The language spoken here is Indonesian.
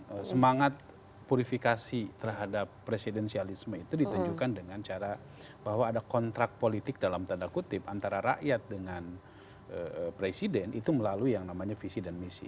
karena semangat purifikasi terhadap presidensialisme itu ditunjukkan dengan cara bahwa ada kontrak politik dalam tanda kutip antara rakyat dengan presiden itu melalui yang namanya visi dan misi